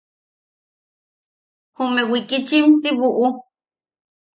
Jume wikichim si buʼu.